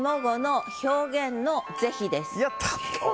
やった。